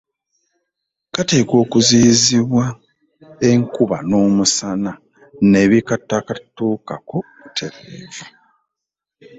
Kateekwa okuziyizibwa enkuba n’omusana ne bitakatuukako butereevu.